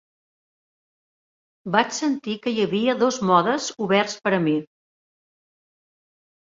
Vaig sentir que hi havia dos modes oberts per a mi.